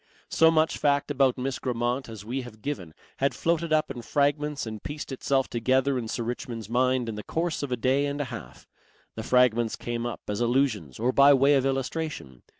So much fact about Miss Grammont as we have given had floated up in fragments and pieced itself together in Sir Richmond's mind in the course of a day and a half. The fragments came up as allusions or by way of illustration.